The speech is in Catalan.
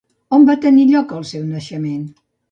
On va tenir lloc el seu naixement?